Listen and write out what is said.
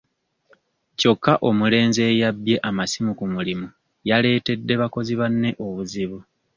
Kyokka omulenzi eyabbye amasimu ku mulimu yaletedde bakozi banne obuzibu.